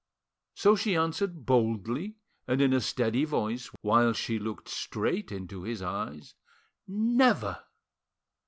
So she answered boldly and in a steady voice, while she looked straight into his eyes— "Never!"